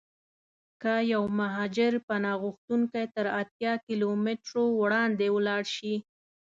که یو مهاجر پناه غوښتونکی تر اتیا کیلومترو وړاندې ولاړشي.